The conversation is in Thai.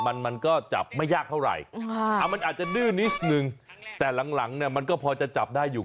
มันมันก็จับไม่ยากเท่าไหร่มันอาจจะดื้อนิดนึงแต่หลังหลังเนี่ยมันก็พอจะจับได้อยู่